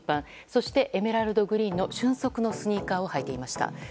そしてエメラルドグリーンの「瞬足」のスニーカーを履いていました。